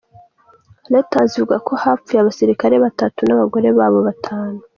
Reuters ivuga ko hapfuye abasirikari batatu n’abagore babo batanu.